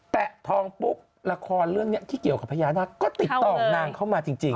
ทองปุ๊บละครเรื่องนี้ที่เกี่ยวกับพญานาคก็ติดต่อนางเข้ามาจริง